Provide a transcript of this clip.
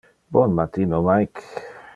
Bon matino, Mike.